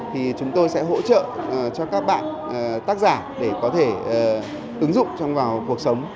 thì chúng tôi sẽ hỗ trợ cho các bạn tác giả để có thể ứng dụng vào cuộc sống